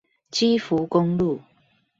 基福公路